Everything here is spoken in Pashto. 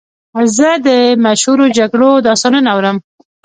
زه د مشهورو جګړو داستانونه اورم.